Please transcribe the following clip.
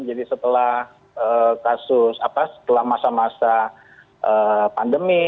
jadi setelah kasus setelah masa masa pandemi